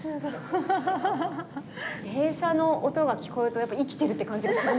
電車の音が聞こえるとやっぱ生きてるって感じがするね。